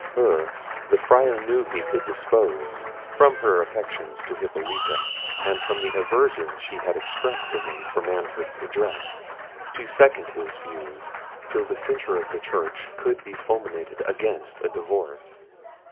Her the Friar knew he could dispose, from her affection to Hippolita, and from the aversion she had expressed to him for Manfred's addresses, to second his views, till the censures of the church could be fulminated against a divorce.